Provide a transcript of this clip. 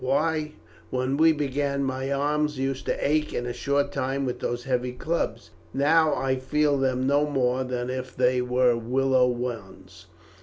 Why, when we began, my arms used to ache in a short time with those heavy clubs, now I feel them no more than if they were willow wands."